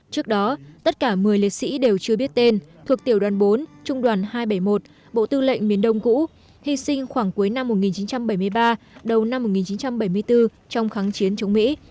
trước đó tất cả một mươi liệt sĩ đều chưa biết tên thuộc tiểu đoàn bốn trung đoàn hai trăm bảy mươi một bộ tư lệnh miền đông cũ hy sinh khoảng cuối năm một nghìn chín trăm bảy mươi ba đầu năm một nghìn chín trăm bảy mươi bốn trong kháng chiến chống mỹ